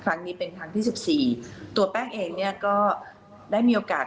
ครั้งนี้เป็นครั้งที่สิบสี่ตัวแป้งเองเนี่ยก็ได้มีโอกาส